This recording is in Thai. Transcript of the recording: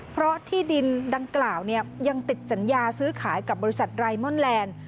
เพราะที่ดินดังกล่าวยังติดสัญญาซื้อขายกับบริษัทไรมอนแลนด์